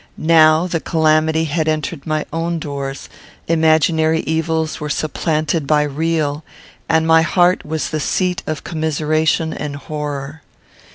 Now the calamity had entered my own doors, imaginary evils were supplanted by real, and my heart was the seat of commiseration and horror.